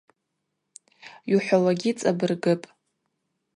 Йухӏвауагьи цӏабыргыпӏ.